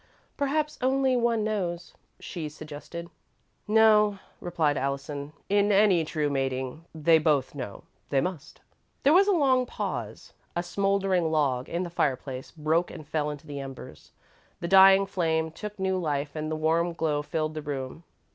"Perhaps only one knows," she suggested. "No," replied Allison, "in any true mating, they both know they must." There was a long pause. A smouldering log, in the fireplace, broke and fell into the embers. The dying flame took new life and the warm glow filled the room.